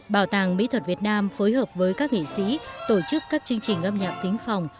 bảo tàng mỹ thuật việt nam phối hợp với các nghệ sĩ tổ chức các chương trình âm nhạc tính phòng